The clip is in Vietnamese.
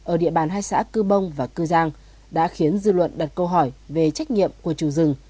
ở địa bàn hai xã cư bông và cư giang đã khiến dư luận đặt câu hỏi về trách nhiệm của chủ rừng